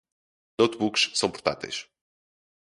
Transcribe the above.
Notebooks são portáteis